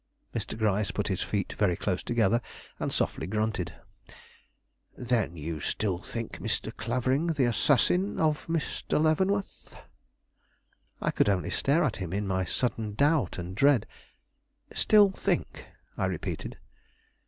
Mr. Gryce put his feet very close together, and softly grunted. "Then you still think Mr. Clavering the assassin of Mr. Leavenworth?" I could only stare at him in my sudden doubt and dread. "Still think?" I repeated.